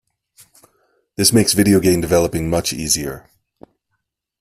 This makes video game developing much easier.